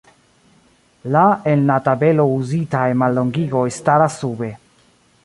La en la tabelo uzitaj mallongigoj staras sube.